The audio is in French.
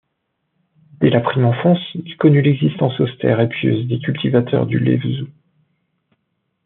Dès la prime enfance, il connut l'existence austère et pieuse des cultivateurs du Lévezou.